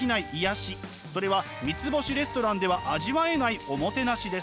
それは三つ星レストランでは味わえないおもてなしです。